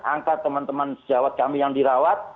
angka teman teman sejawat kami yang dirawat